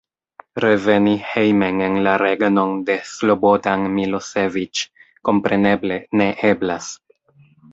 Reveni hejmen en la regnon de Slobodan Miloseviĉ, kompreneble, ne eblas.